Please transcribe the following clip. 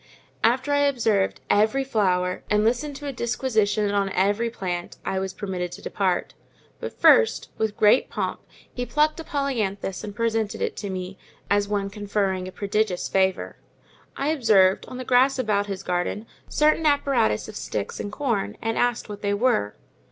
After I had observed every flower, and listened to a disquisition on every plant, I was permitted to depart; but first, with great pomp, he plucked a polyanthus and presented it to me, as one conferring a prodigious favour. I observed, on the grass about his garden, certain apparatus of sticks and corn, and asked what they were.